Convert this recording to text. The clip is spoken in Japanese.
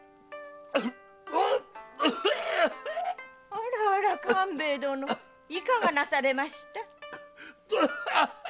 あらあら官兵衛殿いかがなされました？